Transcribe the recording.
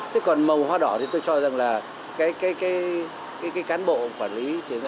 thế còn màu hoa đỏ thì tôi cho rằng là cái cán bộ quản lý